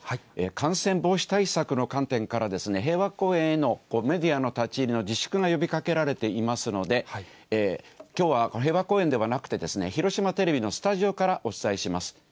感染防止対策の観点から、平和公園へのメディアの立ち入りの自粛が呼びかけられていますので、きょうは平和公園ではなくて、広島テレビのスタジオからお伝えします。